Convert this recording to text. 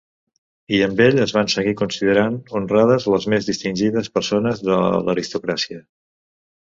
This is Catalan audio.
I amb ell es van seguir considerant honrades les més distingides persones de l'aristocràcia.